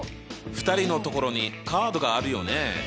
２人のところにカードがあるよね。